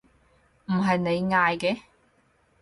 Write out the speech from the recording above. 唔係你嗌嘅？